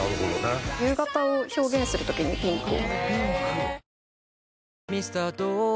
夕方を表現する時にピンクを。